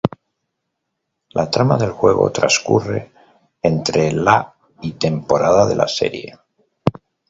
La trama del juego transcurre entre la y temporada de la serie.